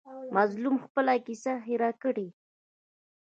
مظلوم خپله کیسه هېر کړي.